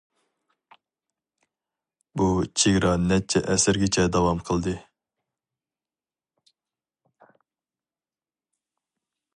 بۇ چېگرا نەچچە ئەسىرگىچە داۋام قىلدى.